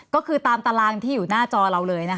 ก็คือตามตารางที่อยู่หน้าจอเราเลยนะคะ